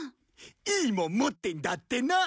いいもん持ってんだってな。